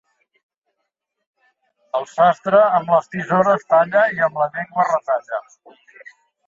El sastre, amb les tisores talla i amb la llengua retalla.